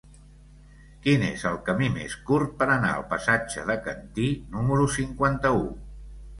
Quin és el camí més curt per anar al passatge de Cantí número cinquanta-u?